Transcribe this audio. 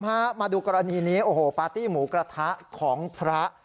ฮะมาดูกรณีนี้โอ้โหปาร์ตี้หมูกระทะของพระ